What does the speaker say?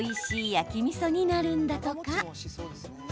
焼きみそになるんだとか。